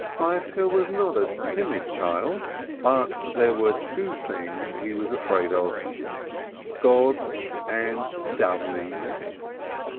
Feivke was not a timid child, but there were two things he was afraid of: God and dawening.